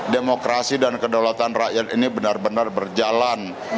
demokrasi dan kedaulatan rakyat ini benar benar berjalan